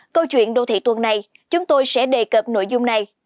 câu chuyện đô thị tuần này chúng tôi sẽ đề cập nội dung này